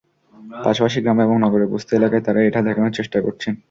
পাশাপাশি গ্রামে এবং নগরের বস্তি এলাকায় তাঁরা এটা দেখানোর চেষ্টা করছেন।